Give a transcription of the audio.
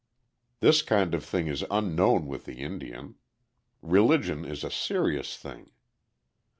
This kind of thing is unknown with the Indian. Religion is a serious thing.